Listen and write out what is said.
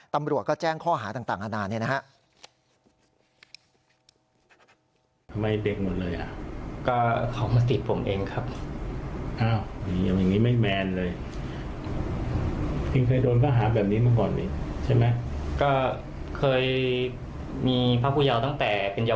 ตำรวจก็แจ้งข้อหาต่างอาณาเนี่ยนะฮะ